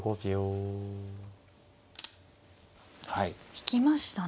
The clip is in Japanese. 引きましたね。